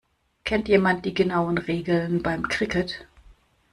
Kennt jemand die genauen Regeln beim Cricket?